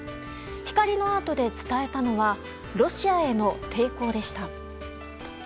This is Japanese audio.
光のアートで伝えたのはロシアへの抵抗でした。